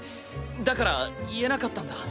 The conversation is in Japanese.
だから言えなかったんだ。